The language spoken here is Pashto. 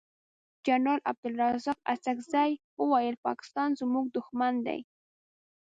جنرال عبدلرازق اڅګزی وویل پاکستان زمونږ دوښمن دی.